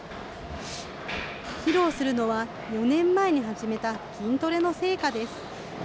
披露するのは４年前に始めた筋トレの成果です。